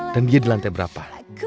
dan dia di lantai berapa